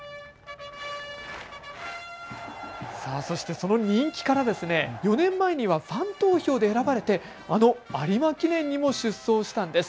その人気から４年前にはファン投票で選ばれてあの有馬記念にも出走したんです。